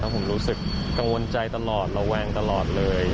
ผมรู้สึกกังวลใจตลอดระแวงตลอดเลย